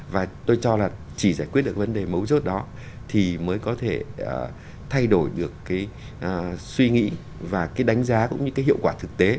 và tôi cho là chỉ giải quyết được vấn đề mấu rốt đó thì mới có thể thay đổi được suy nghĩ và đánh giá cũng như hiệu quả thực tế